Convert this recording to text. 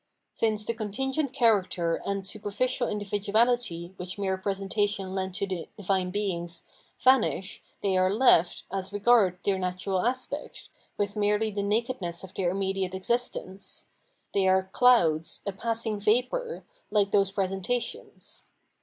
Since the contingent character and superficial individuality which mere presentation lent to the divine Beings, vanish, they are left, as regards their natural aspect, with merely the nakedness of their immediate existence ; they are Clouds,t a passing vapour, like those presenta tions.